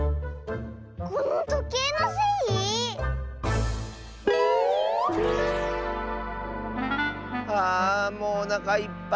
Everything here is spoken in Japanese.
このとけいのせい⁉はあもうおなかいっぱい。